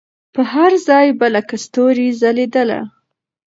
پر هر ځای به لکه ستوري ځلېدله